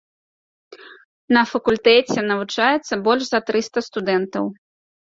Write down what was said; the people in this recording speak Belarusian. На факультэце навучаецца больш за трыста студэнтаў.